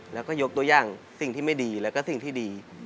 แล้วก็ยกตัวอย่างสิ่งที่ไม่ดีแล้วก็สิ่งที่ดี